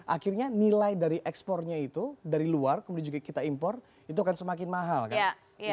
akhirnya nilai dari ekspornya itu dari luar kemudian juga kita impor itu akan semakin mahal kan